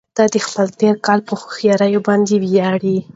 دی د خپل تېرکالي په هوښيارۍ باندې ویاړي.